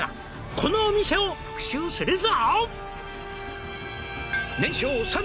「このお店を復習するぞ」